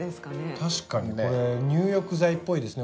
確かにこれ入浴剤っぽいですね。